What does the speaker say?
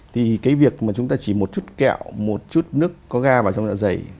thì cái việc mà chúng ta chỉ một chút kẹo một chút nước có ga vào trong dạ dày